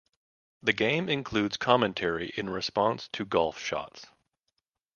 The game includes commentary in response to golf shots.